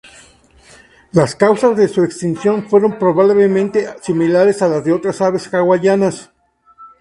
Las causas de su extinción fueron probablemente similares a las de otras aves hawaianas.